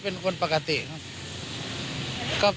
เป็นคนปกติครับ